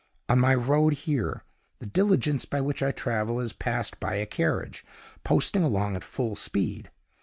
On my road here, the diligence by which I travel is passed by a carriage, posting along at full speed.